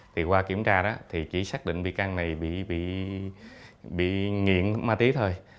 thì qua kiểm tra đó thì chỉ xác định bị can này bị nghiện ma túy thôi